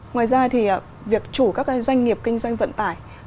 ngoài ra thì việc chủ các doanh nghiệp kinh doanh vận tải